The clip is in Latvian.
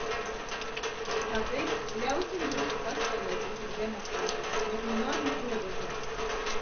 Tā teikt, ļausim drusku paspēlēties ar demokrātiju, bet nu normas robežās!